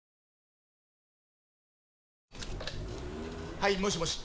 はいもしもし？